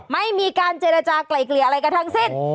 ไม่มีการเจรจากลายเกลี่ยอะไรกันทั้งสิ้น